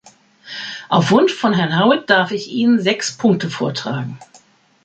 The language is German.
Auf Wunsch von Herrn Howitt darf ich Ihnen sechs Punkte vortragen.